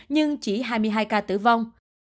nhưng chỉ hai mươi hai ca tử vong